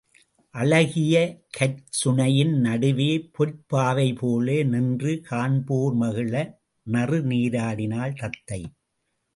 அழகிய கற்சுனையின் நடுவே பொற்பாவைபோல நின்று, காண்போர் மகிழ நறுநீராடினாள் தத்தை.